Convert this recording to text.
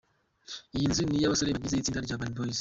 Iyi nzu ni iy’abasore bagize itsinda rya “Urban Boys”.